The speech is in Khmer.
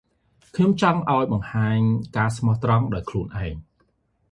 ខ្ញុំចង់អោយបង្ហាញការស្មោះត្រង់ដោយខ្លួនឯង ។